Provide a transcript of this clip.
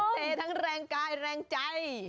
เททั้งแรงกายแรงใจ